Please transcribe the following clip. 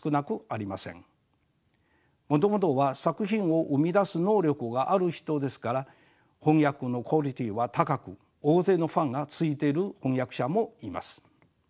もともとは作品を生み出す能力がある人ですから翻訳のクオリティーは高く大勢のファンがついている翻訳者もいます。